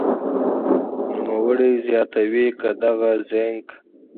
نوموړې زیاتوي که دغه زېنک